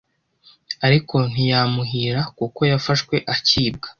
ariko ntiyamuhira kuko yafashwe akibwa